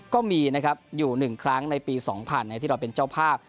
ก็มีนะครับอยู่๑ครั้งในปี๒๐๐ที่เราเป็นเจ้าภาพ